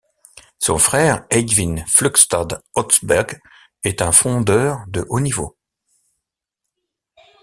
Son frère Eivind Flugstad Østberg est un fondeur de haut niveau.